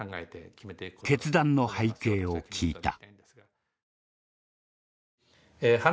決断の背景を聞いた。